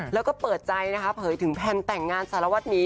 แล้วก็เปิดใจเผยถึงแผนแต่งงานสารวัฒนี